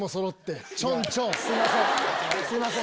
すいません。